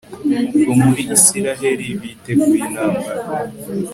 ubwo muri israheli biteguye intambara